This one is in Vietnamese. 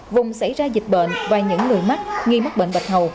vùng xảy ra dịch bệnh và những người mắc nghi mắc bệnh bạch hầu